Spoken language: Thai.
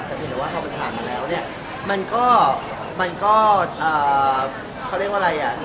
แต่เดี๋ยวว่ามันมามาแล้วเนี่ยทุกอย่างมันจำเป็นให้ทำอะไรคนก็ได้อย่างนี้